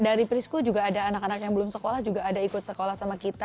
dari prisko juga ada anak anak yang belum sekolah juga ada ikut sekolah sama kita